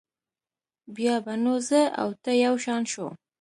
بیا به نو زه او ته یو شان شو.